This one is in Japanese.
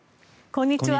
こんにちは。